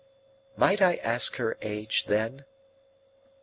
"Might I ask her age then?"